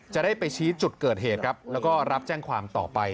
จะได้ไปชี้จุดเกิดเหตุครับแล้วก็รับแจ้งความต่อไป